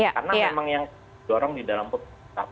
karena memang yang dorong di dalam pusat usaha